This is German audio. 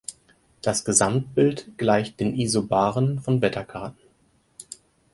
Das Gesamtbild gleicht den Isobaren von Wetterkarten.